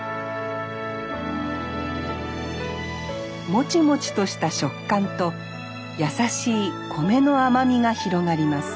もちもちとした食感と優しい米の甘みが広がります